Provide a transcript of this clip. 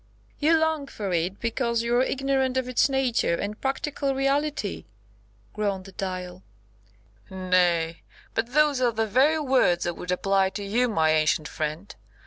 "You long for it because you are ignorant of its nature and practical reality," groaned the Dial. "Nay, but those are the very words I would apply to you, my ancient friend.